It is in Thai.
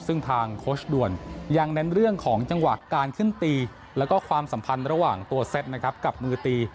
ซึ่งทางโค้ชด่วนยังเน้นเรื่องของจังหวะการขึ้นตีแล้วก็ความสัมพันธ์ระหว่างตัวเซตนะครับกับมือตี